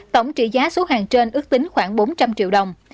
tổng trị giá số hàng trên ước tính khoảng bốn trăm linh triệu đồng